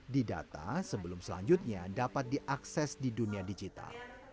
di data sebelum selanjutnya dapat diakses di dunia digital